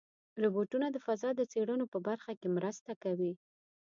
روبوټونه د فضا د څېړنو په برخه کې مرسته کوي.